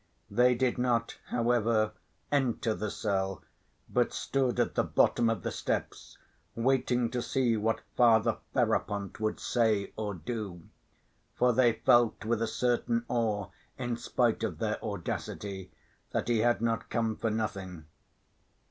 They did not, however, enter the cell, but stood at the bottom of the steps, waiting to see what Father Ferapont would say or do. For they felt with a certain awe, in spite of their audacity, that he had not come for nothing.